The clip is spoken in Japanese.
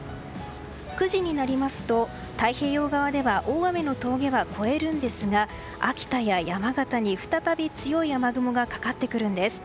９時になりますと太平洋側では大雨の峠は越えるんですが秋田や山形に再び強い雨雲がかかってくるんです。